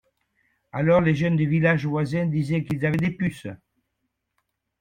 Alors les jeunes des villages voisins disaient qu'ils avaient des puces.